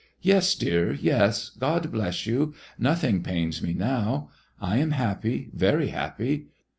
"Yes, dear, yes, God bless you! Nothing pains me now. I am happy, very happy!